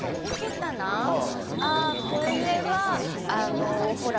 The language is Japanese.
ああこれはあのほら